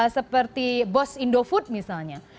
seperti bos indofood misalnya